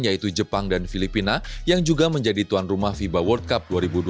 yaitu jepang dan filipina yang juga menjadi tuan rumah fiba world cup dua ribu dua puluh